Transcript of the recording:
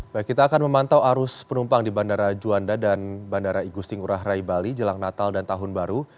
baik kita akan memantau arus penumpang di bandara juanda dan bandara igusti ngurah rai bali jelang natal dan tahun baru